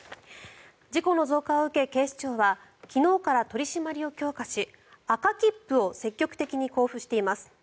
事故の増加を受け、警視庁は昨日から取り締まりを強化し赤切符を積極的に交付しています。